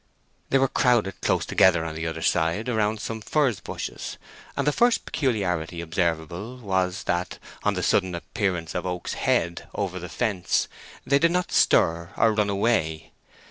They were crowded close together on the other side around some furze bushes, and the first peculiarity observable was that, on the sudden appearance of Oak's head over the fence, they did not stir or run away.